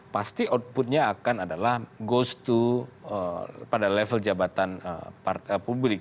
pasti outputnya akan adalah goes to pada level jabatan publik